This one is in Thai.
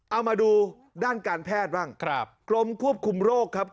เอามาดูด้านการแพทย์บ้างครับกรมควบคุมโรคครับ